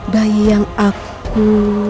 bayi yang aku